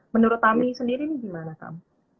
menurut tami sendiri ini gimana tam